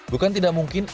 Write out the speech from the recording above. bukan tidak mungkin